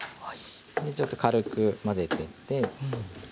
ちょっと軽く混ぜていって。